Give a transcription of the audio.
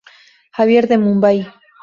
Xavier, de Mumbai.